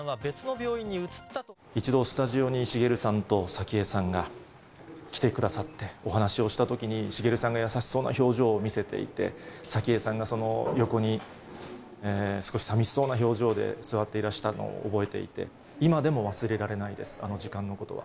一度、スタジオに滋さんと早紀江さんが来てくださってお話をしたときに、滋さんが優しそうな表情を見せていて、早紀江さんがその横に、少しさみしそうな表情で座っていらしたのを覚えていて、今でも忘れられないです、あの時間のことは。